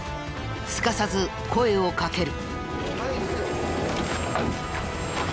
すかさず声をかける。